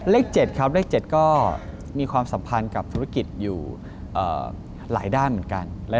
เลข๗ครับเลข๗ก็มีความสัมพันธ์กับธุรกิจอยู่หลายด้านเหมือนกัน